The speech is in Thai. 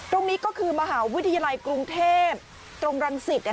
ตรงนี้ก็คือมหาวิทยาลัยกรุงเทพตรงรังสิตเนี่ย